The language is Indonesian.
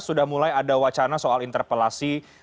sudah mulai ada wacana soal interpelasi